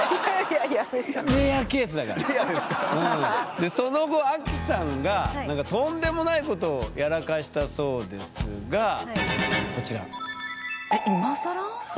でその後アキさんがなんかとんでもないことをやらかしたそうですがこちら。